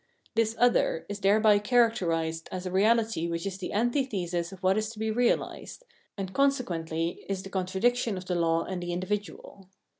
This other is thereby charac terised as a reahty which is the antithesis of what is to be reahsed, and consequently is the contradiction of the law and the individual.